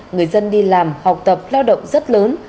người dân đi làm học tập lao động rất lớn